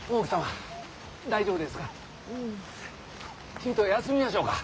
ちいと休みましょうか？